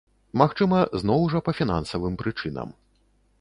Магчыма, зноў жа па фінансавым прычынам.